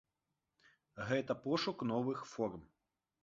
Гэта пошук новых форм.